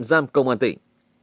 giam công an tỉnh